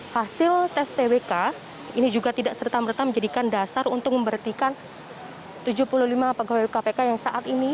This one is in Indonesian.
hasil tes twk ini juga tidak serta merta menjadikan dasar untuk memberhentikan tujuh puluh lima pegawai kpk yang saat ini